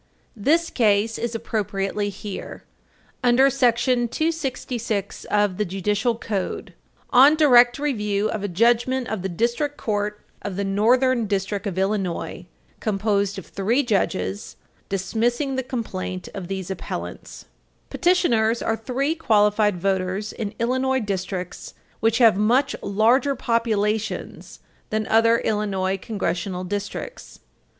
This case is appropriately here, under § 266 of the Judicial Code. 28 U.S.C. § 380, on direct review of a judgment of the District Court of the Northern District of Illinois, composed of three judges, dismissing the complaint of the appellants. These are three qualified voters in Illinois districts which have much larger populations than other Illinois Congressional districts.